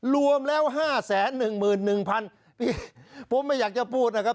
รวมแล้ว๕๑๑๐๐นี่ผมไม่อยากจะพูดนะครับ